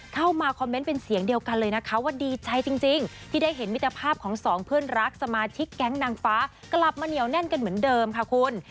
เข้ามาคอมเมนต์เป็นเสียงเดียวกันเลยนะคะว่าดีใจจริงที่ได้เห็นมิตรภาพของสองเพื่อนรักสมาชิกแก๊งนางฟ้ากลับมาเหนียวแน่นกันเหมือนเดิมค่ะคุณ